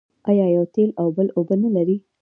آیا یوه تېل او بل اوبه نلري؟